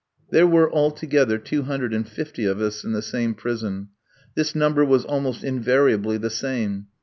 There were altogether two hundred and fifty of us in the same prison. This number was almost invariably the same.